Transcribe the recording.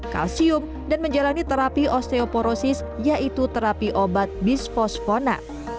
kalsium dan menjalani terapi osteoporosis yaitu terapi obat bispospona